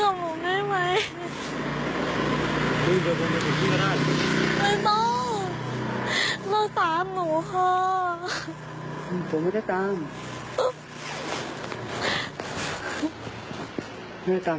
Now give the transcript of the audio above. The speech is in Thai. นั่นจริงได้แล้ว